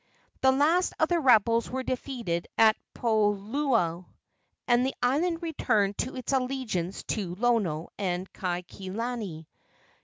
The last of the rebels were defeated at Pololu, and the island returned to its allegiance to Lono and Kaikilani.